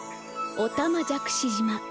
おたまじゃくし島。